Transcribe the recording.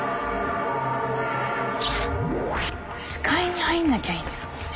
視界に入んなきゃいいんですもんね。